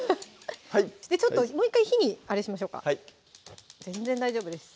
ちょっともう１回火にあれしましょうか全然大丈夫です